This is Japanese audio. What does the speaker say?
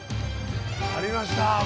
ありました